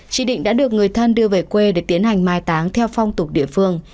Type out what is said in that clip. chị định đã được người thân đưa về quê để tiến hành mai táng theo phong tục địa phương